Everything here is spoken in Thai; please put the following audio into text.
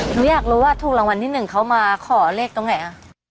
หนูอยากรู้ว่าถูกรางวัลที่หนึ่งเขามาขอเลขตรงไหนอ่ะ